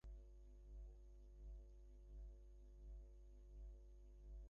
সেবা থেকে দেওয়া সার্ভিসের মোট চার্জের একটা অংশ ব্যবহারকারীর অ্যাকাউন্টে জমা হবে।